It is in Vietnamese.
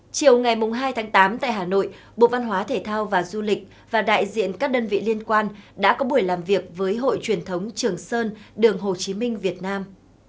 chiều ngày hai tháng tám tại hà nội bộ văn hóa thể thao và du lịch và đại diện các đơn vị liên quan đã có buổi làm việc với hội truyền thống trường sơn đường hồ chí minh việt nam